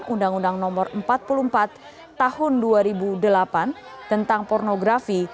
undang undang no empat puluh empat tahun dua ribu delapan tentang pornografi